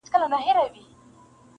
په شپو شپو یې سره کړي وه مزلونه-